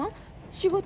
仕事？